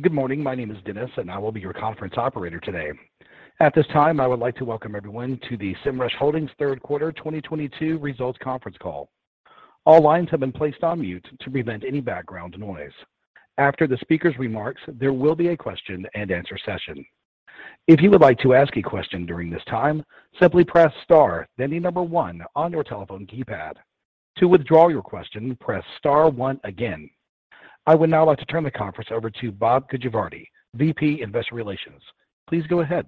Good morning. My name is Dennis, and I will be your conference operator today. At this time, I would like to welcome everyone to the Semrush Holdings third quarter 2022 results conference call. All lines have been placed on mute to prevent any background noise. After the speaker's remarks, there will be a question and answer session. If you would like to ask a question during this time, simply press star, then the number one on your telephone keypad. To withdraw your question, press star one again. I would now like to turn the conference over to Bob Gujavarty, VP Investor Relations. Please go ahead.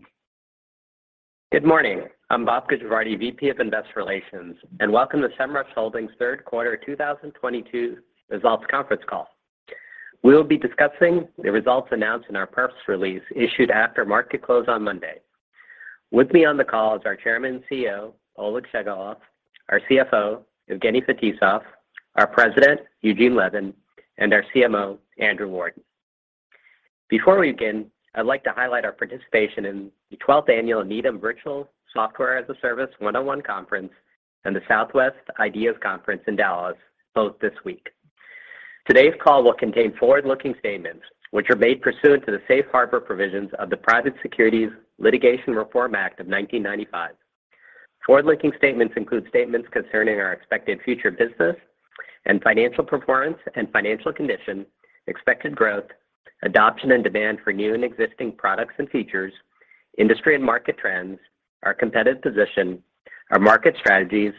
Good morning. I'm Bob Gujavarty, VP, Investor Relations, and welcome to Semrush Holdings third quarter 2022 results conference call. We'll be discussing the results announced in our press release issued after market close on Monday. With me on the call is our Chairman and CEO, Oleg Shchegolev, our CFO, Evgeny Fetisov, our President, Eugene Levin, and our CMO, Andrew Warden. Before we begin, I'd like to highlight our participation in the 12th Annual Needham Virtual Software as a Service one-on-one Conference and the Southwest IDEAS Investor Conference in Dallas, both this week. Today's call will contain forward-looking statements which are made pursuant to the safe harbor provisions of the Private Securities Litigation Reform Act of 1995. Forward-looking statements include statements concerning our expected future business and financial performance and financial condition, expected growth, adoption and demand for new and existing products and features, industry and market trends, our competitive position, our market strategies,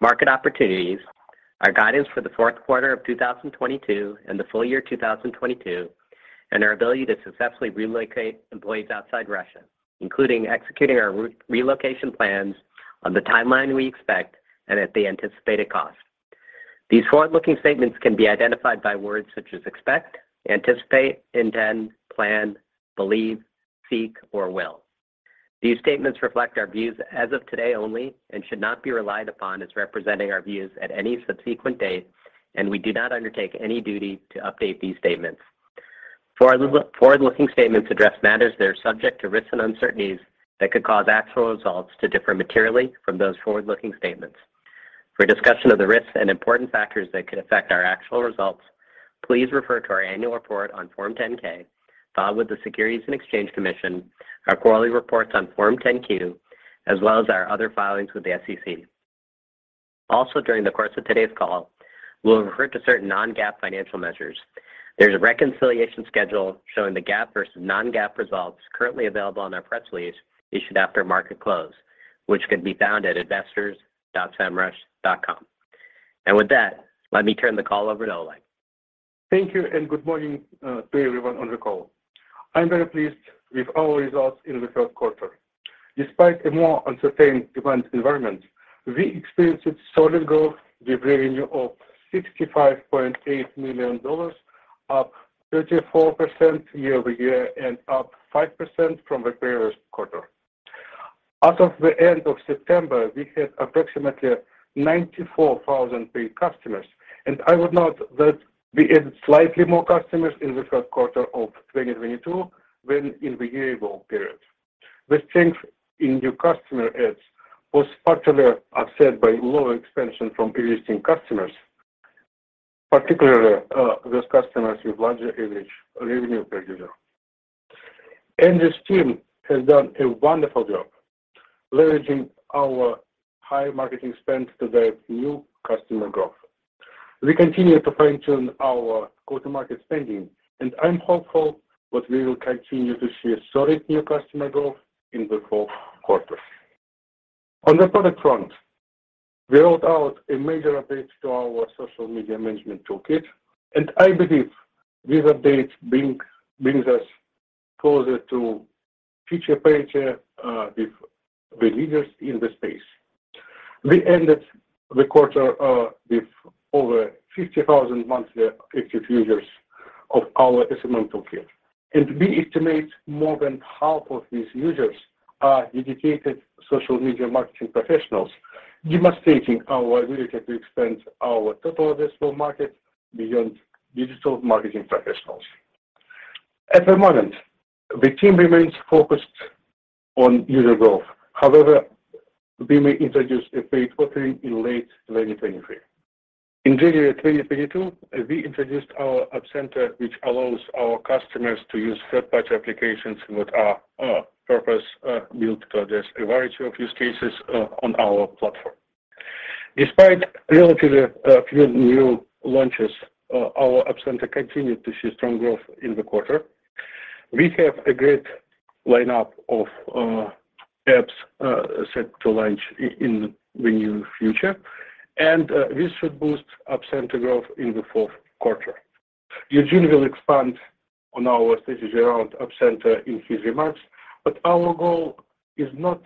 market opportunities, our guidance for the fourth quarter of 2022 and the full year 2022, and our ability to successfully relocate employees outside Russia, including executing our re-relocation plans on the timeline we expect and at the anticipated cost. These forward-looking statements can be identified by words such as expect, anticipate, intend, plan, believe, seek, or will. These statements reflect our views as of today only and should not be relied upon as representing our views at any subsequent date, and we do not undertake any duty to update these statements. Forward-looking statements address matters that are subject to risks and uncertainties that could cause actual results to differ materially from those forward-looking statements. For a discussion of the risks and important factors that could affect our actual results, please refer to our annual report on Form 10-K filed with the Securities and Exchange Commission, our quarterly reports on Form 10-Q, as well as our other filings with the SEC. Also, during the course of today's call, we'll refer to certain non-GAAP financial measures. There's a reconciliation schedule showing the GAAP versus non-GAAP results currently available on our press release issued after market close, which can be found at investors.semrush.com. With that, let me turn the call over to Oleg. Thank you, and good morning, to everyone on the call. I'm very pleased with our results in the third quarter. Despite a more uncertain demand environment, we experienced solid growth with revenue of $65.8 million, up 34% YoY and up 5% from the previous quarter. As of the end of September, we had approximately 94,000 paid customers, and I would note that we added slightly more customers in the third quarter of 2022 than in the year-ago period. The strength in new customer adds was partially offset by lower expansion from existing customers, particularly, those customers with larger average revenue per user. Andrew's team has done a wonderful job leveraging our high marketing spend to drive new customer growth. We continue to fine-tune our go-to-market spending, and I'm hopeful that we will continue to see a solid new customer growth in the fourth quarter. On the product front, we rolled out a major update to our Social Toolkit, and I believe this update brings us closer to feature parity with the leaders in the space. We ended the quarter with over 50,000 monthly active users of our SMM Toolkit, and we estimate more than half of these users are dedicated social media marketing professionals, demonstrating our ability to expand our total addressable market beyond digital marketing professionals. At the moment, the team remains focused on user growth. However, we may introduce a paid offering in late 2023. In January 2022, we introduced our App Center, which allows our customers to use third-party applications that are purpose-built to address a variety of use cases on our platform. Despite relatively few new launches, our App Center continued to see strong growth in the quarter. We have a great lineup of apps set to launch in the near future, and this should boost App Center growth in the fourth quarter. Eugene will expand on our strategy around App Center in his remarks, but our goal is not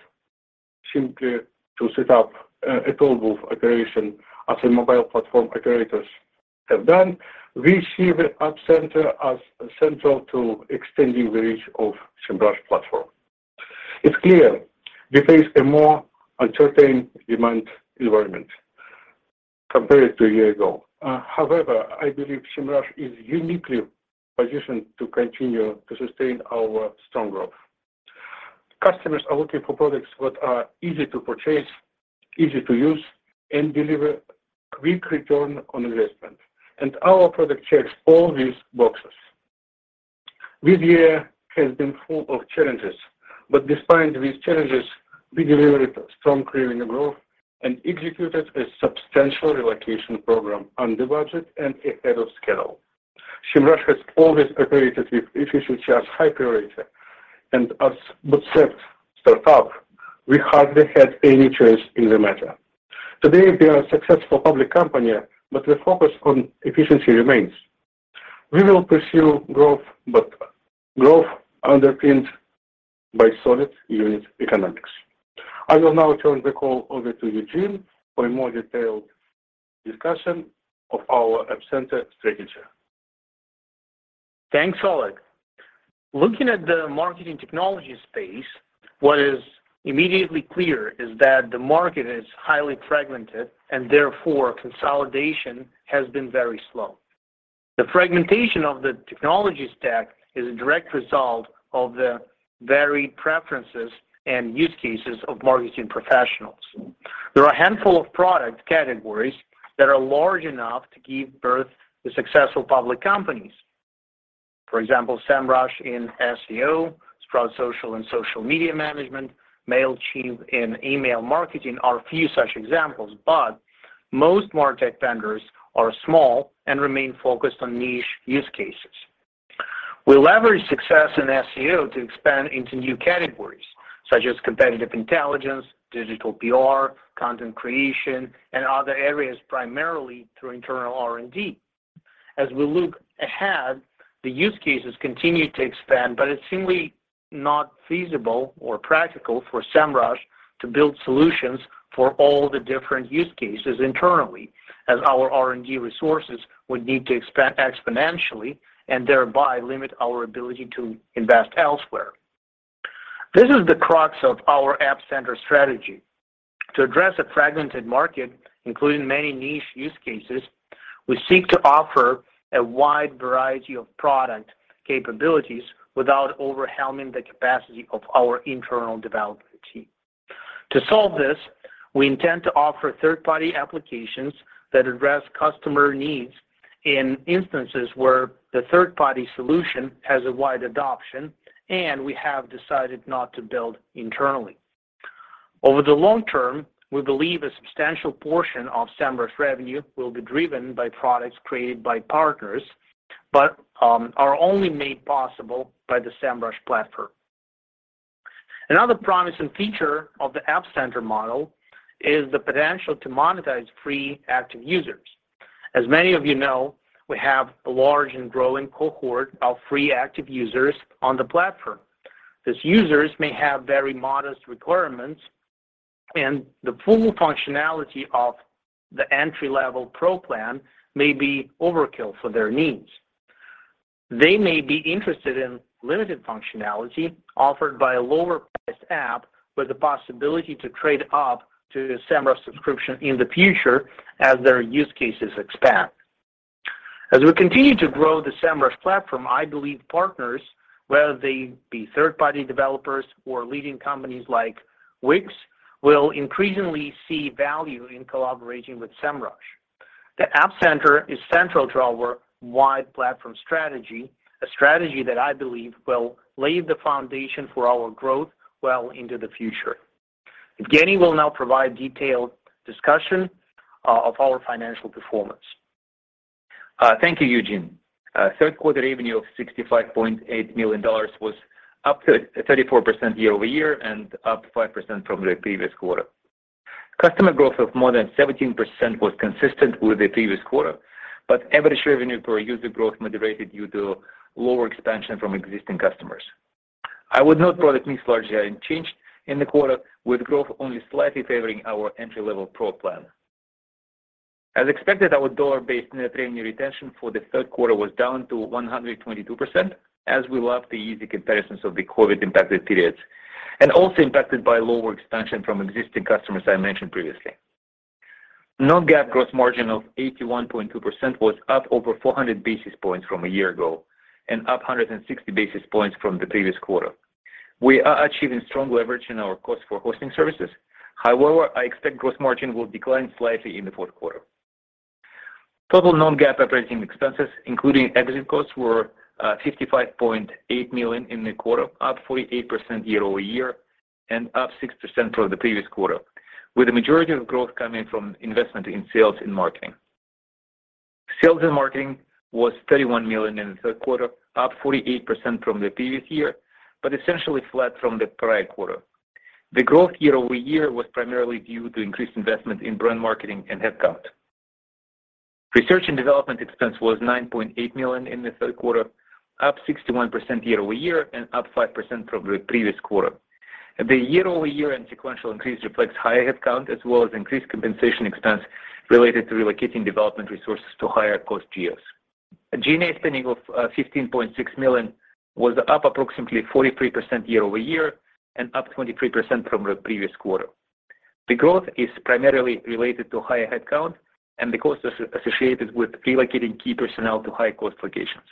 simply to set up a tollbooth operation as the mobile platform operators have done. We see the App Center as central to extending the reach of Semrush platform. It's clear we face a more uncertain demand environment compared to a year ago. However, I believe Semrush is uniquely positioned to continue to sustain our strong growth. Customers are looking for products that are easy to purchase, easy to use, and deliver quick return on investment. Our product checks all these boxes. This year has been full of challenges, but despite these challenges, we delivered strong revenue growth and executed a substantial relocation program under budget and ahead of schedule. Semrush has always operated with efficiency as high priority, and as bootstrapped startup, we hardly had any choice in the matter. Today, we are a successful public company, but the focus on efficiency remains. We will pursue growth, but growth underpinned by solid unit economics. I will now turn the call over to Eugene for a more detailed discussion of our App Center strategy. Thanks, Oleg. Looking at the marketing technology space, what is immediately clear is that the market is highly fragmented, and therefore, consolidation has been very slow. The fragmentation of the technology stack is a direct result of the varied preferences and use cases of marketing professionals. There are a handful of product categories that are large enough to give birth to successful public companies. For example, Semrush in SEO, Sprout Social in social media management, Mailchimp in email marketing are a few such examples, but most market vendors are small and remain focused on niche use cases. We leverage success in SEO to expand into new categories, such as competitive intelligence, digital PR, content creation, and other areas, primarily through internal R&D. As we look ahead, the use cases continue to expand, but it's simply not feasible or practical for Semrush to build solutions for all the different use cases internally, as our R&D resources would need to expand exponentially and thereby limit our ability to invest elsewhere. This is the crux of our App Center strategy. To address a fragmented market, including many niche use cases, we seek to offer a wide variety of product capabilities without overwhelming the capacity of our internal development team. To solve this, we intend to offer third-party applications that address customer needs in instances where the third-party solution has a wide adoption, and we have decided not to build internally. Over the long term, we believe a substantial portion of Semrush revenue will be driven by products created by partners, but are only made possible by the Semrush platform. Another promising feature of the App Center model is the potential to monetize free active users. As many of you know, we have a large and growing cohort of free active users on the platform. These users may have very modest requirements, and the full functionality of the entry-level Pro plan may be overkill for their needs. They may be interested in limited functionality offered by a lower-priced app with the possibility to trade up to a Semrush subscription in the future as their use cases expand. As we continue to grow the Semrush platform, I believe partners, whether they be third-party developers or leading companies like Wix, will increasingly see value in collaborating with Semrush. The App Center is central to our wide platform strategy, a strategy that I believe will lay the foundation for our growth well into the future. Evgeny will now provide detailed discussion of our financial performance. Thank you, Eugene. Third quarter revenue of $65.8 million was up 34% YoY and up 5% from the previous quarter. Customer growth of more than 17% was consistent with the previous quarter, but average revenue per user growth moderated due to lower expansion from existing customers. I would note product mix largely unchanged in the quarter, with growth only slightly favoring our entry-level Pro plan. As expected, our dollar-based net revenue retention for the third quarter was down to 122% as we left the easy comparisons of the COVID-impacted periods, and also impacted by lower expansion from existing customers I mentioned previously. non-GAAP gross margin of 81.2% was up over 400 basis points from a year ago and up 160 basis points from the previous quarter. We are achieving strong leverage in our cost for hosting services. However, I expect gross margin will decline slightly in the fourth quarter. Total non-GAAP operating expenses, including exit costs, were $55.8 million in the quarter, up 48% YoY and up 6% from the previous quarter, with the majority of growth coming from investment in sales and marketing. Sales and marketing was $31 million in the third quarter, up 48% from the previous year, but essentially flat from the prior quarter. The growth year-over-year was primarily due to increased investment in brand marketing and headcount. Research and development expense was $9.8 million in the third quarter, up 61% YoY and up 5% from the previous quarter. The year-over-year and sequential increase reflects higher headcount as well as increased compensation expense related to relocating development resources to higher-cost geos. G&A spending of $15.6 million was up approximately 43% YoY and up 23% from the previous quarter. The growth is primarily related to higher headcount and the costs associated with relocating key personnel to higher cost locations.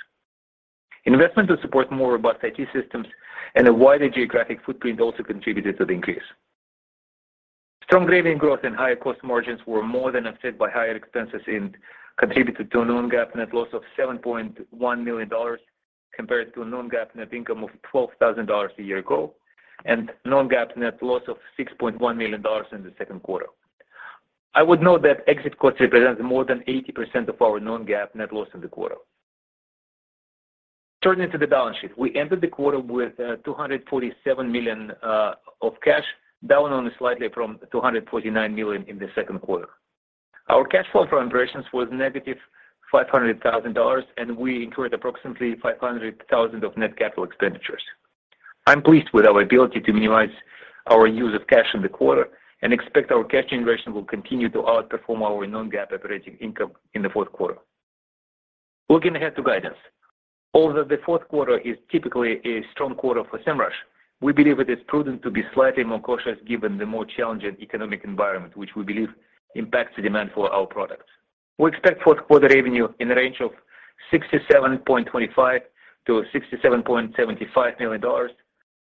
Investment to support more robust IT systems and a wider geographic footprint also contributed to the increase. Strong revenue growth and higher gross margins were more than offset by higher expenses and contributed to a non-GAAP net loss of $7.1 million compared to a non-GAAP net income of $12,000 a year ago, and non-GAAP net loss of $6.1 million in the second quarter. I would note that exit cost represents more than 80% of our non-GAAP net loss in the quarter. Turning to the balance sheet. We ended the quarter with $247 million of cash, down only slightly from $249 million in the second quarter. Our cash flow from operations was -$500,000, and we incurred approximately $500,000 of net capital expenditures. I'm pleased with our ability to minimize our use of cash in the quarter and expect our cash generation will continue to outperform our non-GAAP operating income in the fourth quarter. Looking ahead to guidance. Although the fourth quarter is typically a strong quarter for Semrush, we believe it is prudent to be slightly more cautious given the more challenging economic environment, which we believe impacts the demand for our products. We expect fourth quarter revenue in the range of $67.25 million-$67.75 million,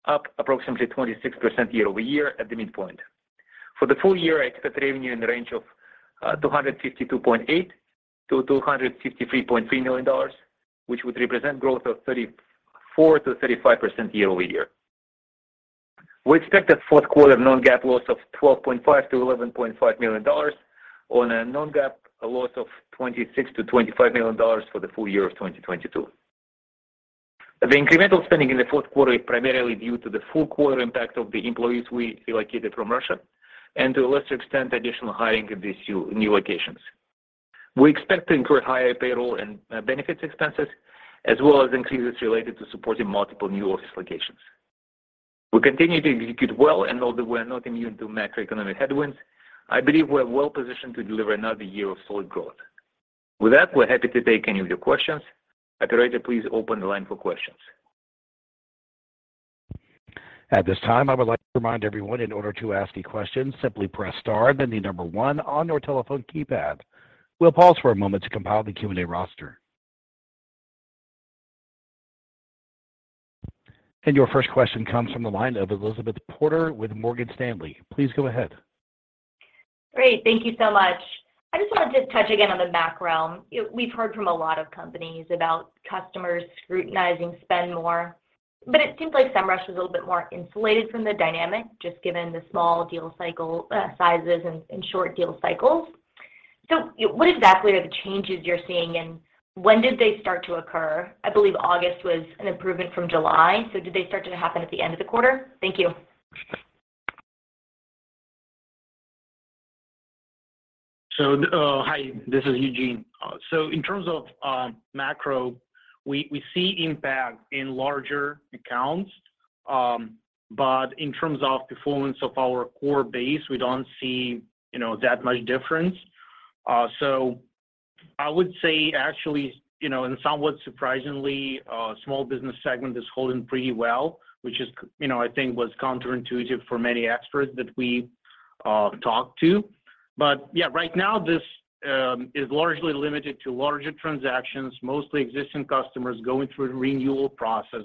up approximately 26% YoY at the midpoint. For the full year, I expect revenue in the range of $252.8 million-$253.3 million, which would represent growth of 34%-35% YoY. We expect a fourth quarter non-GAAP loss of $12.5 million-$11.5 million on a non-GAAP loss of $26 million-$25 million for the full year of 2022. The incremental spending in the fourth quarter is primarily due to the full quarter impact of the employees we relocated from Russia, and to a lesser extent, additional hiring at these new locations. We expect to incur higher payroll and benefits expenses, as well as increases related to supporting multiple new office locations. We continue to execute well, and although we're not immune to macroeconomic headwinds, I believe we're well positioned to deliver another year of solid growth. With that, we're happy to take any of your questions. Operator, please open the line for questions. At this time, I would like to remind everyone, in order to ask a question, simply press star, then the number one on your telephone keypad. We'll pause for a moment to compile the Q&A roster. Your first question comes from the line of Elizabeth Porter with Morgan Stanley. Please go ahead. Great. Thank you so much. I just wanted to touch again on the macro. You know, we've heard from a lot of companies about customers scrutinizing spend more, but it seems like Semrush is a little bit more insulated from the dynamic, just given the small deal cycle sizes and short deal cycles. What exactly are the changes you're seeing and when did they start to occur? I believe August was an improvement from July, so did they start to happen at the end of the quarter? Thank you. Hi, this is Eugene. In terms of macro, we see impact in larger accounts. In terms of performance of our core base, we don't see, you know, that much difference. I would say actually, you know, and somewhat surprisingly, small business segment is holding pretty well, which, you know, I think was counterintuitive for many experts that we talked to. Yeah, right now this is largely limited to larger transactions, mostly existing customers going through a renewal process.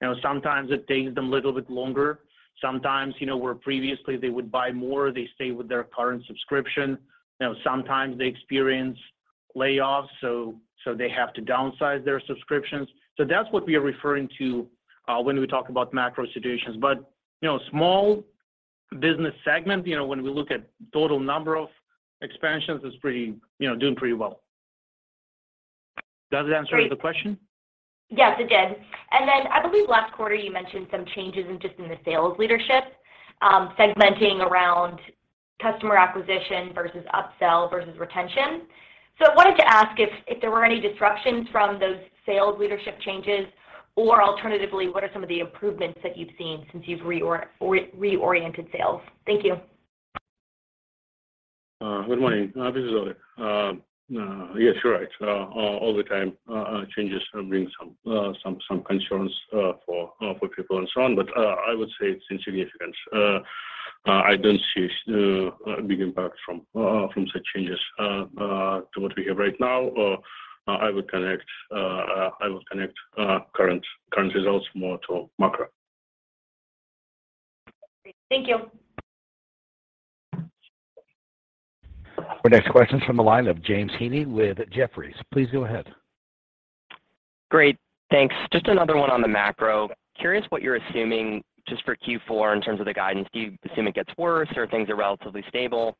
You know, sometimes it takes them a little bit longer. Sometimes, you know, where previously they would buy more, they stay with their current subscription. You know, sometimes they experience layoffs, so they have to downsize their subscriptions. That's what we are referring to when we talk about macro situations. You know, small business segment, you know, when we look at total number of expansions, is pretty. You know, doing pretty well. Does it answer the question? Great. Yes, it did. I believe last quarter you mentioned some changes in just in the sales leadership, segmenting around customer acquisition versus upsell versus retention. I wanted to ask if there were any disruptions from those sales leadership changes, or alternatively, what are some of the improvements that you've seen since you've reoriented sales? Thank you. Good morning. This is Oleg. Yes, you're right. Over time, changes bring some concerns for people and so on. I would say it's insignificant. I don't see a big impact from such changes to what we have right now. I would connect current results more to macro. Great. Thank you. Our next question's from the line of James Heaney with Jefferies. Please go ahead. Great. Thanks. Just another one on the macro. Curious what you're assuming just for Q4 in terms of the guidance. Do you assume it gets worse or things are relatively stable?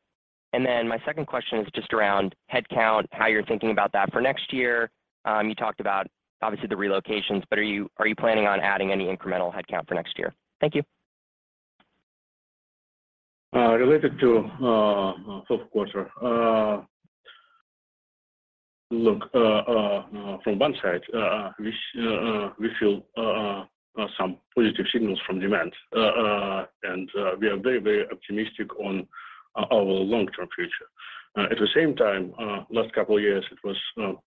And then my second question is just around headcount, how you're thinking about that for next year. You talked about obviously the relocations, but are you planning on adding any incremental headcount for next year? Thank you. Related to fourth quarter. Look, from one side, we feel some positive signals from demand. We are very optimistic on our long-term future. At the same time, last couple of years, it was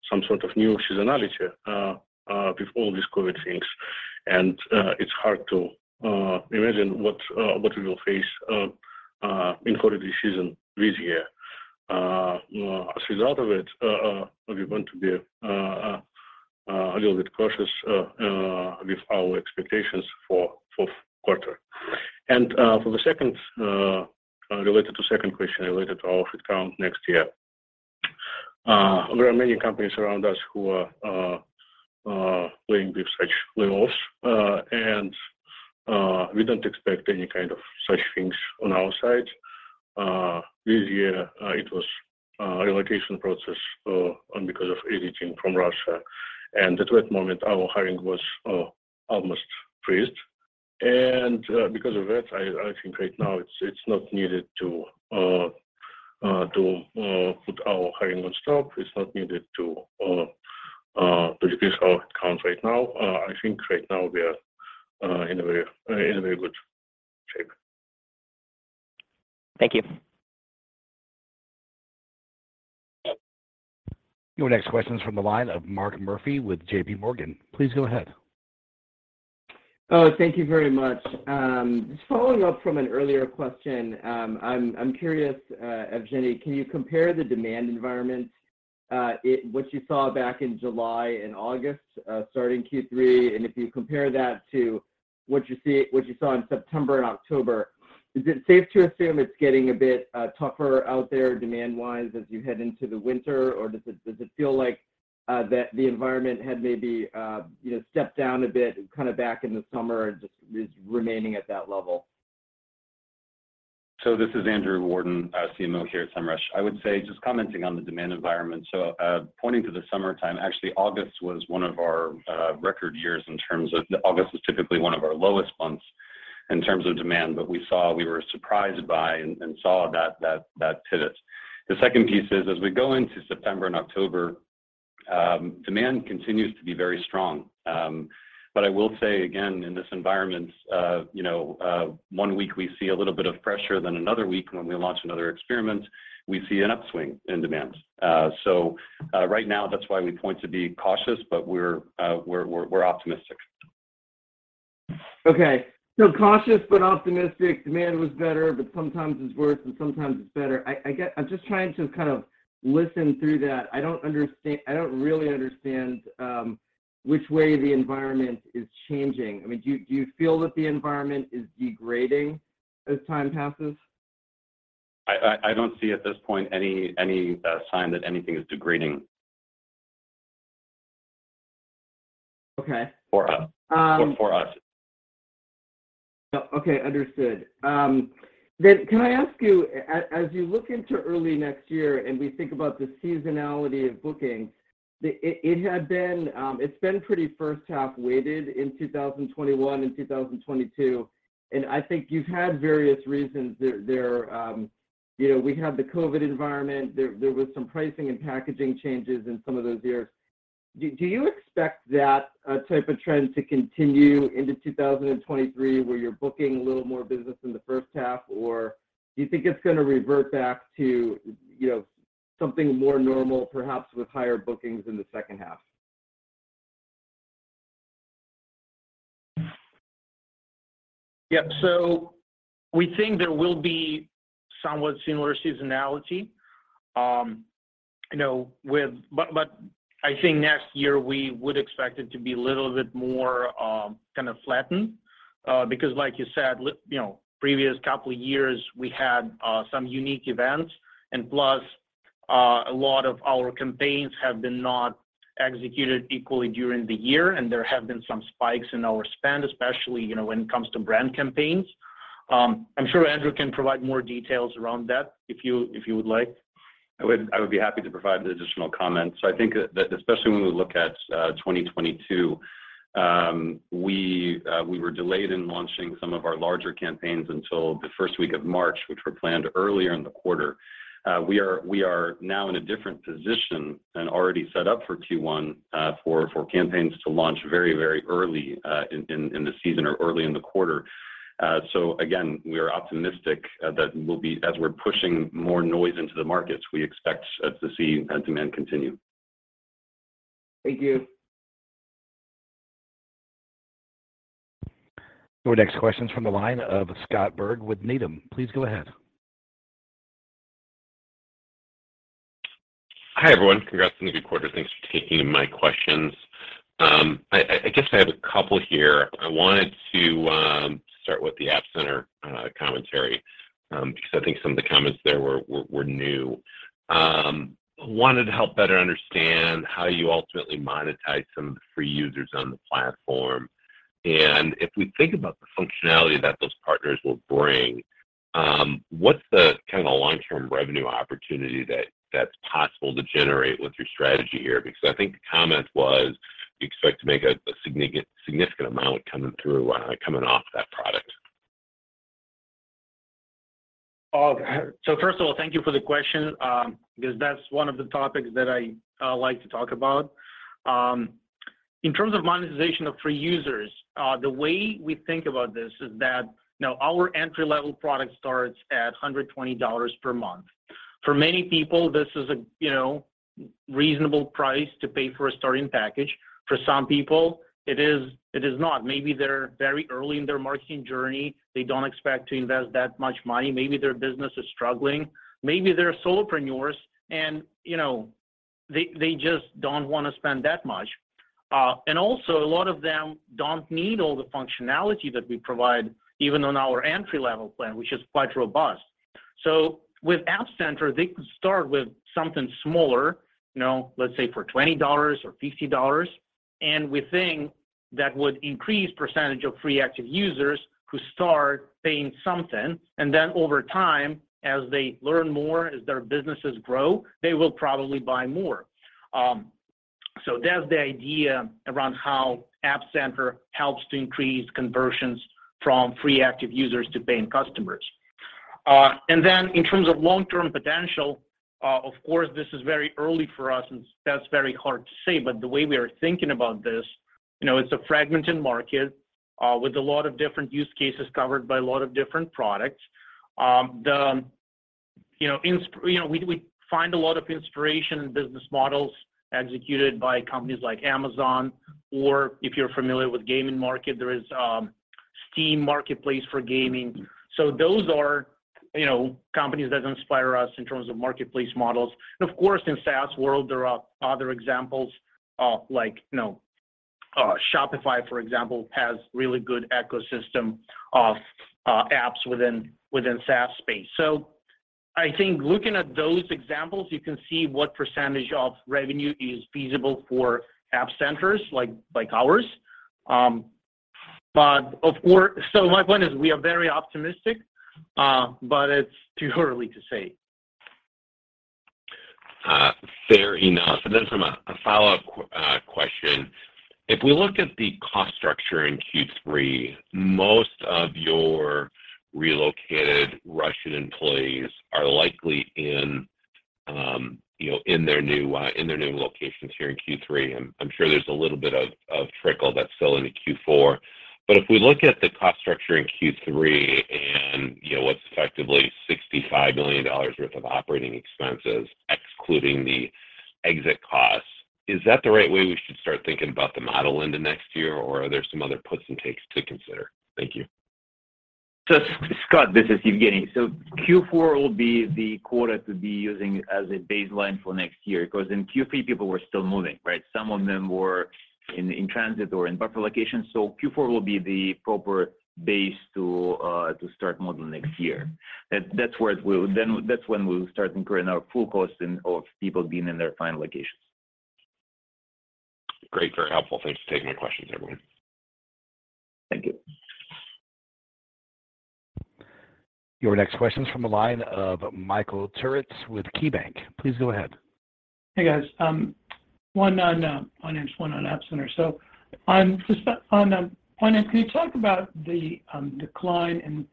some sort of new seasonality with all these COVID things. It's hard to imagine what we will face in holiday season this year. As a result of it, we want to be a little bit cautious with our expectations for fourth quarter. For the second, related to second question related to our headcount next year. There are many companies around us who are playing with such layoffs, and we don't expect any kind of such things on our side. This year, it was relocation process, and because of exiting from Russia. At that moment, our hiring was almost frozen. Because of that, I think right now it's not needed to stop our hiring. It's not needed to reduce our headcount right now. I think right now we are in a very good shape. Thank you. Your next question is from the line of Mark Murphy with J.P. Morgan. Please go ahead. Thank you very much. Just following up from an earlier question, I'm curious, Evgeny, can you compare the demand environment, what you saw back in July and August, starting Q3, and if you compare that to what you saw in September and October, is it safe to assume it's getting a bit tougher out there demand-wise as you head into the winter? Does it feel like that the environment had maybe, you know, stepped down a bit kind of back in the summer and just is remaining at that level? This is Andrew Warden, CMO here at Semrush. I would say just commenting on the demand environment. Pointing to the summertime, actually August was one of our record years in terms of demand. August is typically one of our lowest months in terms of demand, but we were surprised by and saw that pivot. The second piece is as we go into September and October, demand continues to be very strong. I will say again, in this environment, you know, one week we see a little bit of pressure then another week when we launch another experiment, we see an upswing in demand. Right now that's why we point to be cautious, but we're optimistic. Okay. Cautious but optimistic. Demand was better, but sometimes it's worse, and sometimes it's better. I'm just trying to kind of listen through that. I don't really understand which way the environment is changing. I mean, do you feel that the environment is degrading as time passes? I don't see at this point any sign that anything is degrading. Okay. For us. Um- For us. Oh, okay. Understood. Then can I ask you, as you look into early next year and we think about the seasonality of bookings, it's been pretty first half weighted in 2021 and 2022, and I think you've had various reasons there. You know, we had the COVID environment. There was some pricing and packaging changes in some of those years. Do you expect that type of trend to continue into 2023, where you're booking a little more business in the first half, or do you think it's gonna revert back to, you know, something more normal, perhaps with higher bookings in the second half? Yeah. We think there will be somewhat similar seasonality, you know, with. I think next year we would expect it to be a little bit more kind of flattened, because like you said, you know, previous couple of years we had some unique events, and plus, a lot of our campaigns have been not executed equally during the year, and there have been some spikes in our spend, especially, you know, when it comes to brand campaigns. I'm sure Andrew can provide more details around that if you would like. I would be happy to provide the additional comments. I think that especially when we look at 2022, we were delayed in launching some of our larger campaigns until the first week of March, which were planned earlier in the quarter. We are now in a different position and already set up for Q1, for campaigns to launch very early, in the season or early in the quarter. We are optimistic that as we're pushing more noise into the markets, we expect to see that demand continue. Thank you. Your next question is from the line of Scott Berg with Needham. Please go ahead. Hi, everyone. Congrats on the good quarter. Thanks for taking my questions. I guess I have a couple here. I wanted to start with the App Center commentary, because I think some of the comments there were new. Wanted to help better understand how you ultimately monetize some of the free users on the platform. If we think about the functionality that those partners will bring, what's the kind of long-term revenue opportunity that's possible to generate with your strategy here? Because I think the comment was you expect to make a significant amount coming through, coming off that product. First of all, thank you for the question, because that's one of the topics that I like to talk about. In terms of monetization of free users, the way we think about this is that, you know, our entry-level product starts at $120 per month. For many people, this is a, you know, reasonable price to pay for a starting package. For some people, it is not. Maybe they're very early in their marketing journey. They don't expect to invest that much money. Maybe their business is struggling. Maybe they're solopreneurs, and, you know, they just don't want to spend that much. And also a lot of them don't need all the functionality that we provide, even on our entry-level plan, which is quite robust. With App Center, they could start with something smaller, you know, let's say for $20 or $50, and we think that would increase percentage of free active users who start paying something, and then over time, as they learn more, as their businesses grow, they will probably buy more. That's the idea around how App Center helps to increase conversions from free active users to paying customers. In terms of long-term potential, of course, this is very early for us, and that's very hard to say. The way we are thinking about this, you know, it's a fragmented market with a lot of different use cases covered by a lot of different products. You know, we find a lot of inspiration in business models executed by companies like Amazon, or if you're familiar with gaming market, there is Steam marketplace for gaming. Those are, you know, companies that inspire us in terms of marketplace models. Of course, in SaaS world, there are other examples of like, you know, Shopify, for example, has really good ecosystem of apps within SaaS space. I think looking at those examples, you can see what percentage of revenue is feasible for App Centers like ours. My point is we are very optimistic, but it's too early to say. Fair enough. A follow-up question. If we look at the cost structure in Q3, most of your relocated Russian employees are likely in, you know, in their new locations here in Q3. I'm sure there's a little bit of trickle that's still into Q4. If we look at the cost structure in Q3 and, you know, what's effectively $65 million worth of operating expenses, excluding the exit costs, is that the right way we should start thinking about the model into next year, or are there some other puts and takes to consider? Thank you. Scott, this is Evgeny. Q4 will be the quarter to be using as a baseline for next year 'cause in Q3, people were still moving, right? Some of them were in transit or in buffer locations, Q4 will be the proper base to to start modeling next year. That's where it will. That's when we'll start incurring our full cost in of people being in their final locations. Great. Very helpful. Thanks for taking my questions, everyone. Thank you. Your next question is from the line of Michael Turits with KeyBanc Capital Markets. Please go ahead. Hey, guys. One on finance, one on App Center. On finance, can you talk about the decline in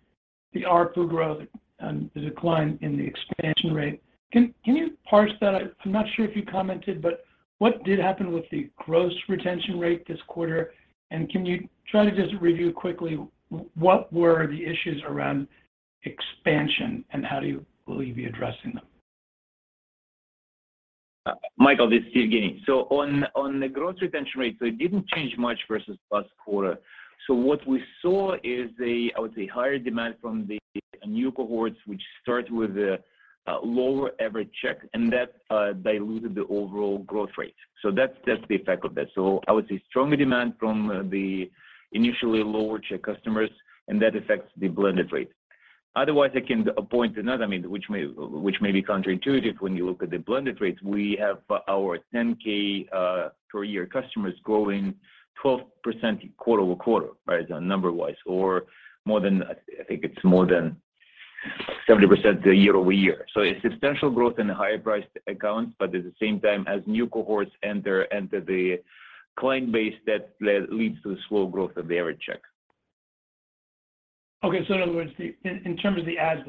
the ARPU growth and the decline in the expansion rate? Can you parse that? I'm not sure if you commented, but what did happen with the gross retention rate this quarter? Can you try to just review quickly what were the issues around expansion, and how will you be addressing them? Michael, this is Evgeny. On the gross retention rate, it didn't change much versus last quarter. What we saw is, I would say, higher demand from the new cohorts, which start with a lower average check, and that diluted the overall growth rate. That's the effect of that. I would say stronger demand from the initially lower check customers, and that affects the blended rate. Otherwise, I can point another, I mean, which may be counterintuitive when you look at the blended rates. We have our $10k per year customers growing 12% QoQ, right? Number-wise, or more than I think it's more than 70% YoY. A substantial growth in higher priced accounts, but at the same time, as new cohorts enter the client base, that leads to the slow growth of the average check. Okay. In other words, in terms of the adds,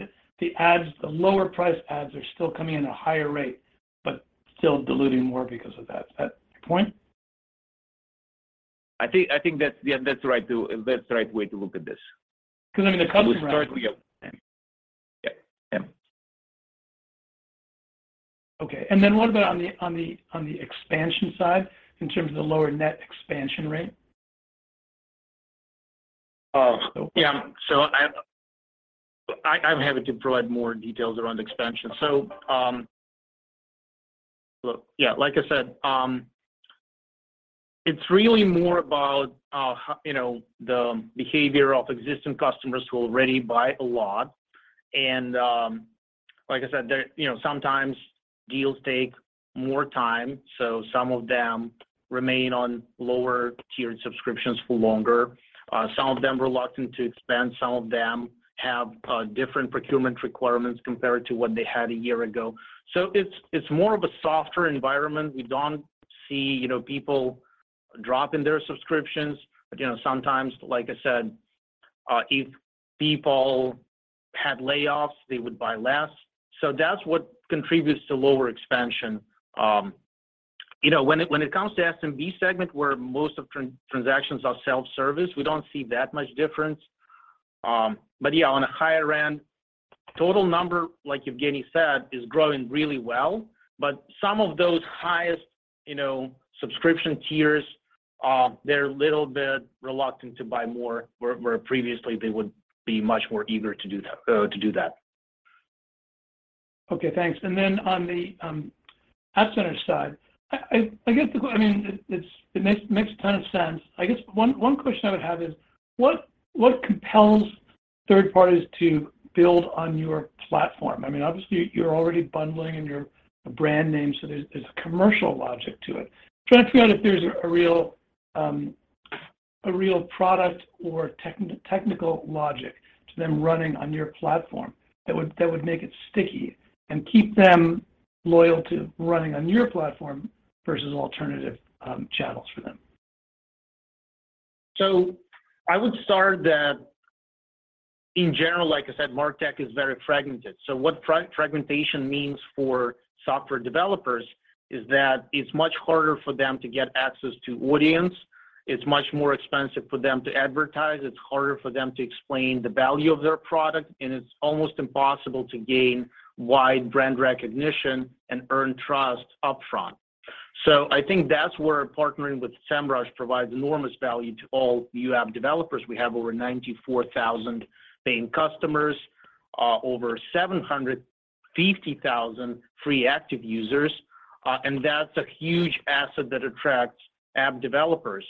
the lower priced adds are still coming in at a higher rate, but still diluting more because of that. Is that your point? I think that's right, too. That's the right way to look at this. 'Cause I mean, the customer- Historically, yeah. Yeah. Yeah. Okay. What about on the expansion side in terms of the lower net expansion rate? I'm happy to provide more details around expansion. Like I said, it's really more about you know, the behavior of existing customers who already buy a lot. Like I said, you know, sometimes deals take more time, so some of them remain on lower tiered subscriptions for longer. Some of them reluctant to expand. Some of them have different procurement requirements compared to what they had a year ago. It's more of a softer environment. We don't see you know, people dropping their subscriptions. You know, sometimes, like I said, if people had layoffs, they would buy less. That's what contributes to lower expansion. You know, when it comes to SMB segment where most of transactions are self-service, we don't see that much difference. Yeah, on a higher end, total number, like Evgeny said, is growing really well, but some of those highest, you know, subscription tiers, they're a little bit reluctant to buy more where previously they would be much more eager to do that. Okay, thanks. On the App Center side, I guess it makes a ton of sense. I guess one question I would have is what compels third parties to build on your platform? I mean, obviously you're already bundling and your brand name, so there's commercial logic to it. Trying to figure out if there's a real product or technical logic to them running on your platform that would make it sticky and keep them loyal to running on your platform versus alternative channels for them. I would start that, in general, like I said, MarTech is very fragmented. What fragmentation means for software developers is that it's much harder for them to get access to audience. It's much more expensive for them to advertise. It's harder for them to explain the value of their product, and it's almost impossible to gain wide brand recognition and earn trust upfront. I think that's where partnering with Semrush provides enormous value to all you app developers. We have over 94,000 paying customers, over 750,000 free active users, and that's a huge asset that attracts app developers.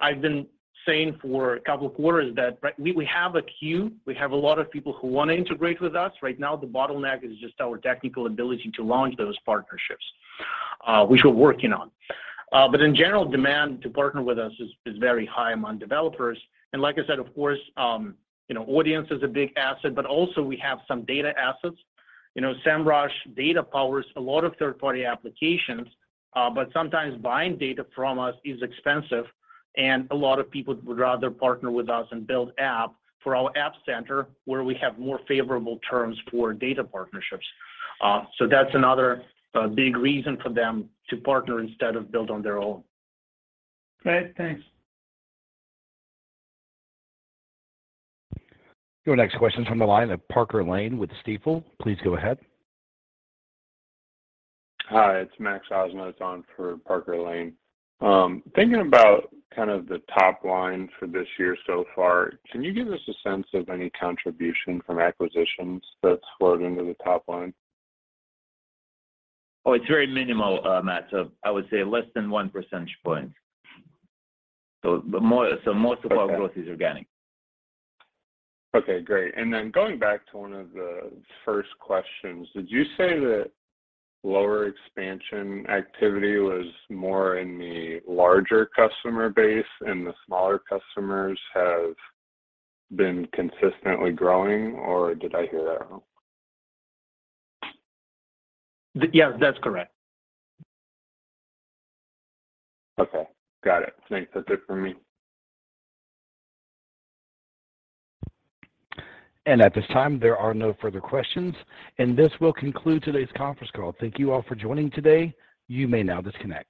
I've been saying for a couple of quarters that right now we have a queue, a lot of people who wanna integrate with us. Right now, the bottleneck is just our technical ability to launch those partnerships, which we're working on. In general, demand to partner with us is very high among developers. Like I said, of course, you know, audience is a big asset, but also we have some data assets. You know, Semrush data powers a lot of third-party applications, but sometimes buying data from us is expensive, and a lot of people would rather partner with us and build app for our App Center where we have more favorable terms for data partnerships. That's another big reason for them to partner instead of build on their own. Great. Thanks. Your next question's from the line of Parker Lane with Stifel. Please go ahead. Hi, it's Max Osnowitz on for Parker Lane. Thinking about kind of the top line for this year so far, can you give us a sense of any contribution from acquisitions that flowed into the top line? It's very minimal, Max. I would say less than one percentage point. Most of our- Okay. Growth is organic. Okay, great. Going back to one of the first questions, did you say that lower expansion activity was more in the larger customer base and the smaller customers have been consistently growing, or did I hear that wrong? Yes, that's correct. Okay. Got it. Thanks. That's it for me. At this time, there are no further questions, and this will conclude today's conference call. Thank you all for joining today. You may now disconnect.